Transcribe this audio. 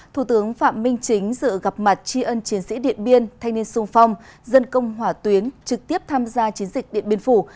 thủ tướng phạm minh chính dự gặp mặt tri ân chiến sĩ điện biên thanh niên sung phong dân công hỏa tuyến trực tiếp tham gia chiến dịch điện biên phủ